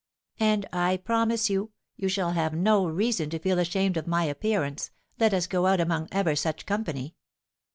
And I promise you, you shall have no reason to feel ashamed of my appearance, let us go out among ever such company.